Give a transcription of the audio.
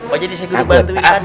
oh jadi saya harus bantuin kan ya